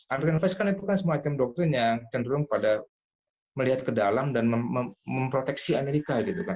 american first kan itu kan semua item doktrinnya cenderung pada melihat ke dalam dan memproteksi amerika gitu kan